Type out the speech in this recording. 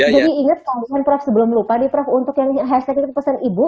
jadi inget kan prof sebelum lupa nih prof untuk yang hashtag inget pesan ibu